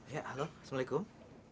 ya halo assalamualaikum